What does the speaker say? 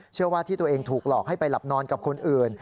เชื่อว่าที่ตัวเองถูกหลอกให้ไปหลับนอนกับคนอื่น